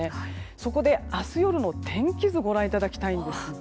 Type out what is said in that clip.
そこで、明日の夜の天気図をご覧いただきたいんですが。